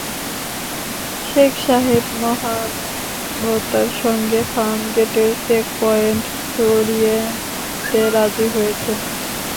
শেখ সাহেব মহানুভবতার সঙ্গে ফার্মগেটের চেক পয়েন্ট সরিয়ে নিতে রাজি হয়েছেন।